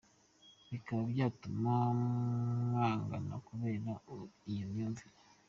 Bikaba byatuma mwangana kubera ya myuvire.